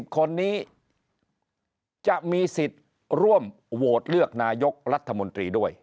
คนนี้จะมีสิทธิ์ร่วมโหวตเลือกนายกรัฐมนตรีด้วย